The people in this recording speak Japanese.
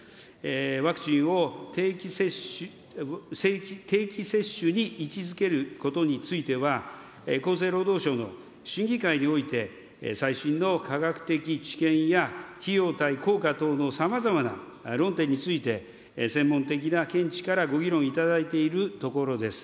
ワクチンを定期接種に位置づけることについては、厚生労働省の審議会において、最新の科学的知見や、費用対効果等のさまざまな論点について、専門的な見地からご議論いただいているところです。